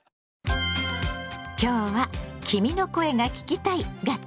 今日は「君の声が聴きたい」がテーマ。